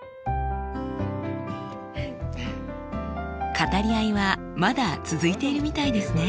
語り合いはまだ続いているみたいですね。